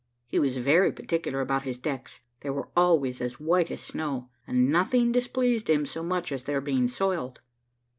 He was very particular about his decks; they were always as white as snow, and nothing displeased him so much as their being soiled.